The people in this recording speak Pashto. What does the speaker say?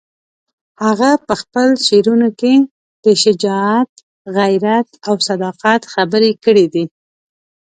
هغه په خپلو شعرونو کې د شجاعت، غیرت او صداقت خبرې کړې دي.